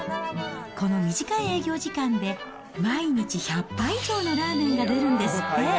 この短い営業時間で、毎日１００杯以上のラーメンが出るんですって。